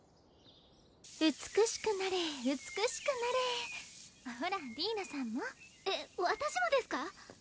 美しくなれ美しくなれほらディーナさんもえっ私もですか？